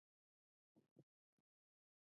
ژبپوهنه باید د واقعیتونو پر بنسټ وي.